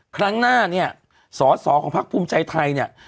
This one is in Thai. ครั้งหน้าสสของพักภูมิใจไทยเนี่ย